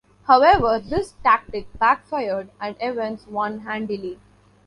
However, this tactic backfired, and Evans won handily.